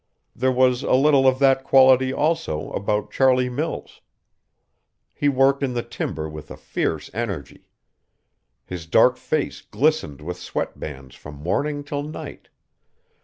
There was a little of that quality, also, about Charlie Mills. He worked in the timber with a fierce energy. His dark face glistened with sweat beads from morning till night.